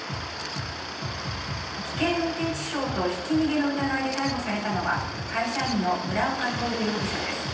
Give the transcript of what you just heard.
危険運転致傷とひき逃げの疑いで逮捕されたのは会社員の村岡徹容疑者です。